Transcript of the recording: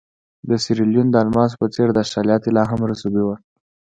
د سیریلیون د الماسو په څېر د اسټرالیا طلا هم رسوبي وه.